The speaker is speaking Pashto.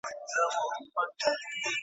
د همدې چوخې په زور لنګرچلیږي ..